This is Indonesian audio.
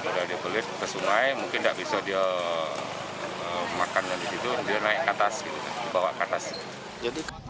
sudah dibelit ke sungai mungkin tidak bisa dia makan dan di situ dia naik ke atas gitu